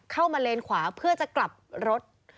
เข้ามาเลนด์ขวาเพื่อจะกลับรถ